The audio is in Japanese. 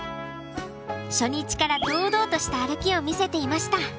初日から堂々とした歩きを見せていました。